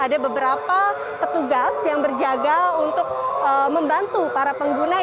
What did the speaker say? ada beberapa petugas yang berjaga untuk membantu para pengguna